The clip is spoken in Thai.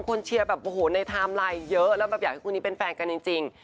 เชียร์แบบโอ้โหในไทม์ไลน์เยอะแล้วแบบอยากให้คู่นี้เป็นแฟนกันจริง